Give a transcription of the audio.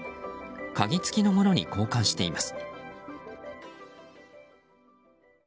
鍵付きのものに交換しています。